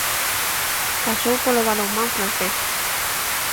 Pasou polo balonmán francés.